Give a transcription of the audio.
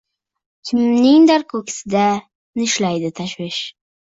Kimningdir ko’ksida nishlaydi tashvish.